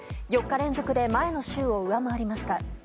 ４日連続で前の週を上回りました。